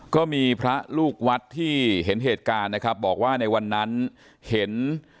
ก็มีพระลูกวัดที่เห็นเหตุการณ์นะครับบอกว่าในวันนั้นเห็น